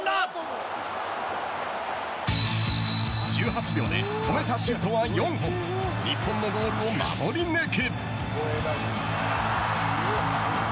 １８秒で止めたシュートは４本日本のゴールを守り抜く。